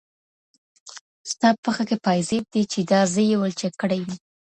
ستا پښه كي پايزيب دی چي دا زه يې ولچك كړی يم.